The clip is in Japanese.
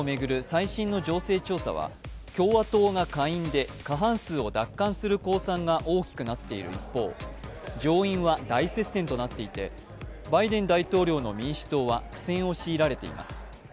最新の情勢調査は共和党が下院で過半数を奪還する公算が大きくなっている一方、上院は大接戦となっていてバイデン大統領の民主党は苦戦を強いられています。